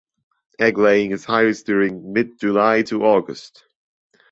Egg laying is highest during mid July to August.